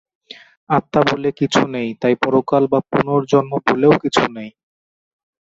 আত্মা বলে কিছু নেই; তাই পরকাল বা পুনর্জন্ম বলেও কিছু নেই।